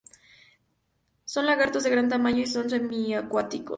Son lagartos de gran tamaño y son semiacuáticos.